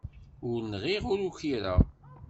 Ur nɣiɣ, ur ukireɣ.